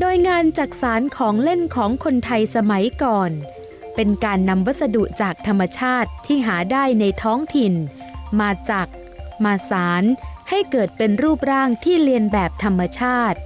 โดยงานจักษานของเล่นของคนไทยสมัยก่อนเป็นการนำวัสดุจากธรรมชาติที่หาได้ในท้องถิ่นมาจากมาสารให้เกิดเป็นรูปร่างที่เรียนแบบธรรมชาติ